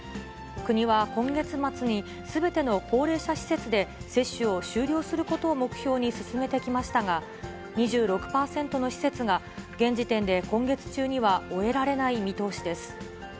国は今月末に、すべての高齢者施設で接種を終了することを目標に進めてきましたが、２６％の施設が、現時点で今月中には終えられない見通しです。